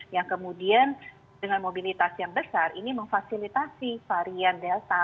yang kemudian dengan mobilitas yang besar ini memfasilitasi varian delta